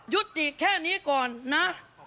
ติแค่นี้ก่อนนะ